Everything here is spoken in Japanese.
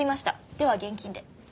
では現金で。